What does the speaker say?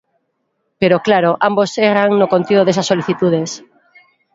Pero, claro, ambos erran no contido desas solicitudes.